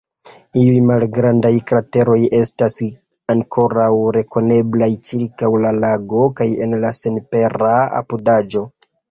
Iuj malgrandaj krateroj estas ankoraŭ rekoneblaj ĉirkaŭ la lago kaj en la senpera apudaĵo.